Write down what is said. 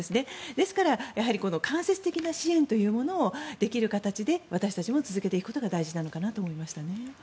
ですからこの間接的な支援というものをできる形で私たちも続けていくことが大事なのかなと思いました。